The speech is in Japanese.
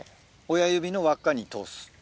親指の輪っかに通す。